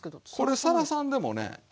これさらさんでもね